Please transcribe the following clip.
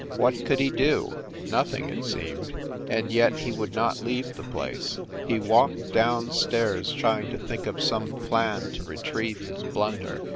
What could he do ? Nothing, it seemed ; and yet he would not leave the place. He walked down stairs trying to think of some plan to retrieve his blunder.